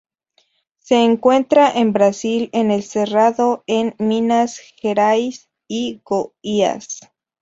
Se encuentra en Brasil en el Cerrado en Minas Gerais y Goiás.